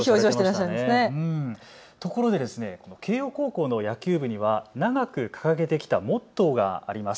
ところで慶応高校の野球部には長く掲げてきたモットーがあります。